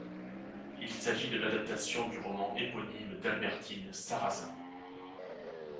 Il s'agit de l'adaptation du roman éponyme d'Albertine Sarrazin.